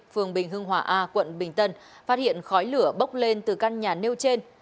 phường bình hưng hòa a quận bình tân phát hiện khói lửa bốc lên từ căn nhà nêu trên